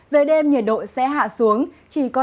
về đêm nhiệt độ sẽ hạ xuống